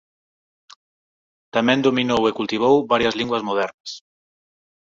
Tamén dominou e cultivou varias linguas modernas.